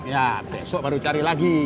ya besok baru cari lagi